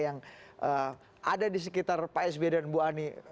yang ada di sekitar pak sby dan bu ani